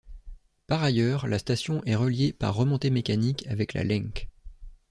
Par ailleurs, la station est reliée par remontées mécaniques avec la Lenk.